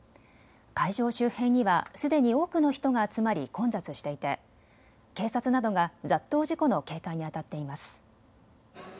会場周辺にはすでに多くの人が集まり混雑していて警察などが雑踏事故の警戒にあたっています。